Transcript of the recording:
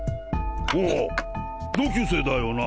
ああ同級生だよな。